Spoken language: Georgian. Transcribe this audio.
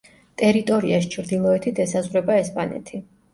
ტერიტორიას ჩრდილოეთით ესაზღვრება ესპანეთი.